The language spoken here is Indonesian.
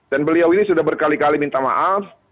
dan beliau ini sudah berkali kali minta maaf